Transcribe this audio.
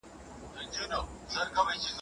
بې له اړتیا هیڅ څوک بل ته نه ګوري.